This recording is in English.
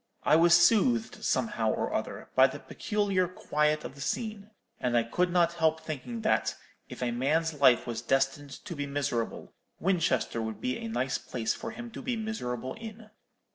I was soothed, somehow or other, by the peculiar quiet of the scene; and I could not help thinking that, if a man's life was destined to be miserable, Winchester would be a nice place for him to be miserable in.